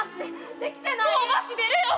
もうバス出るよ！早く！